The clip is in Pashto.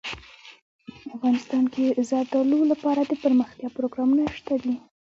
افغانستان کې د زردالو لپاره دپرمختیا پروګرامونه شته دي.